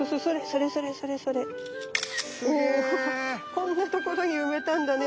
こんなところに埋めたんだね